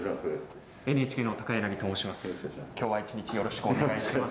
ＮＨＫの高と申します。